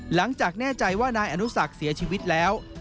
หลังจากแน่ใจว่านายอนุสักเสียชีวิตแล้ว